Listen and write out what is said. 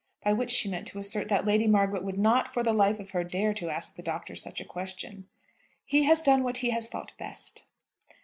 By which she meant to assert that Lady Margaret would not, for the life of her, dare to ask the Doctor such a question. "He has done what he has thought best."